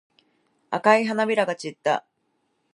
赤い花びらが散った。